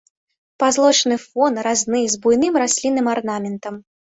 Пазалочаны фон, разны, з буйным раслінным арнаментам.